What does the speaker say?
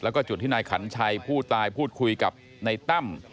แล้วก็จุดที่นายขันชัยผู้ตายพูดคุยกับนายตั้ม